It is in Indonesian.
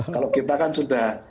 kalau kita kan sudah